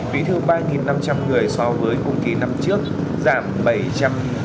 vị thương ba năm trăm linh người so với công ký năm trước